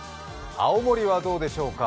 青森はどうでしょう。